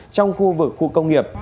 trong khu vực khu công nghiệp